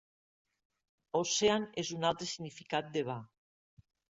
Ocean és un altre significat de Va.